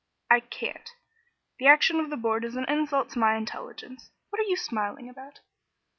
"I can't. The action of the Board is an insult to my intelligence. What are you smiling about?"